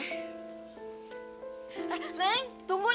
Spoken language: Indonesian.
neng tunggu neng